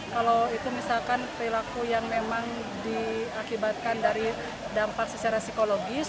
kalau itu misalkan perilaku yang memang diakibatkan dari dampak secara psikologis